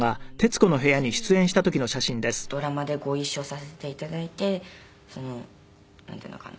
昔ドラマでご一緒させて頂いてなんていうのかな。